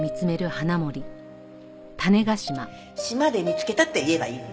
島で見つけたって言えばいいのね？